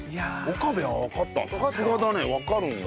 岡部はわかったさすがだねわかるんだ。